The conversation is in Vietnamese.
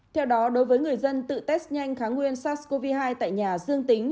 theo đó đối với người dân tự test nhanh kháng nguyên sars cov hai tại nhà dương tính